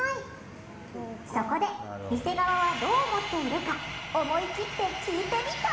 そこで店側はどう思っているか思い切って聞いてみた。